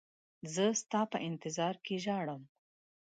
زه ستا په انتظار کې ژاړم.